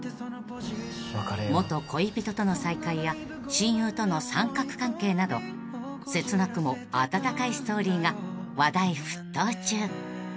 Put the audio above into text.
［元恋人との再会や親友との三角関係など切なくも温かいストーリーが話題沸騰中］